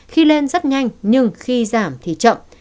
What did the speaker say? khi lên rất nhanh nhưng khi giảm thì chậm